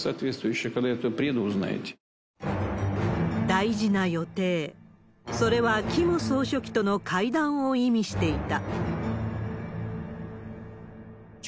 大事な予定、それは、キム総書記との会談を意味していた。